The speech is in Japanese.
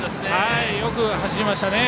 よく走りましたね。